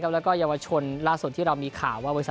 และยาวชนล่าส่วนที่เรามีข่าวว่าบริษัท